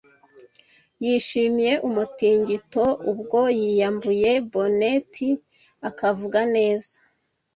Yishimiye umutingito s ubwo yiyambuye bonnet akavuga neza,